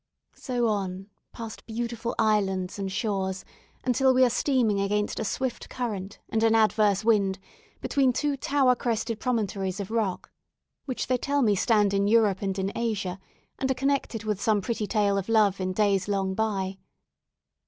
So on, past beautiful islands and shores, until we are steaming against a swift current, and an adverse wind, between two tower crested promontories of rock, which they tell me stand in Europe and in Asia, and are connected with some pretty tale of love in days long gone by.